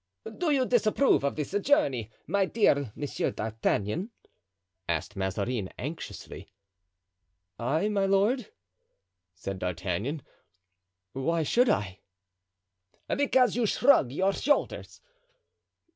"Do you disapprove of this journey, my dear M. d'Artagnan?" asked Mazarin, anxiously. "I, my lord?" said D'Artagnan; "why should I?" "Because you shrug your shoulders."